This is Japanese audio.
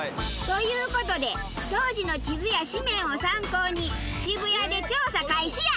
という事で当時の記事や紙面を参考に渋谷で調査開始や！